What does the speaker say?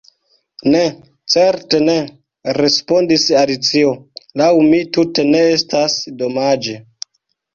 "Ne, certe ne!" respondis Alicio. "Laŭ mi tute ne estas domaĝe. »